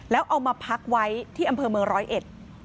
แล้วเอามาพักไว้ที่อำเภอเมืองร้อยเอ็ด